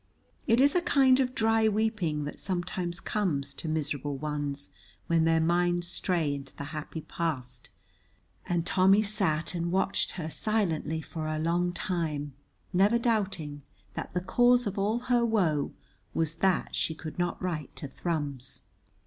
It is a kind of dry weeping that sometimes comes to miserable ones when their minds stray into the happy past, and Tommy sat and watched her silently for a long time, never doubting that the cause of all her woe was that she could not write to Thrums.